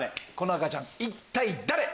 この赤ちゃん一体誰？